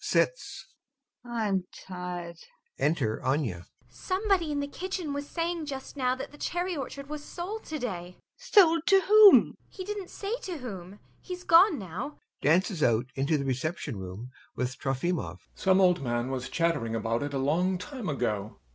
[Sits] I'm tired. [Enter ANYA.] ANYA. [Excited] Somebody in the kitchen was saying just now that the cherry orchard was sold to day. LUBOV. Sold to whom? ANYA. He didn't say to whom. He's gone now. [Dances out into the reception room with TROFIMOV.] YASHA. Some old man was chattering about it a long time ago.